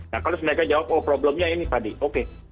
nah kalau mereka jawab oh problemnya ini tadi oke